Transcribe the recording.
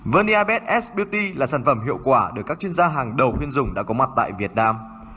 verniabed s beauty là sản phẩm hiệu quả được các chuyên gia hàng đầu khuyên dùng đã có mặt tại việt nam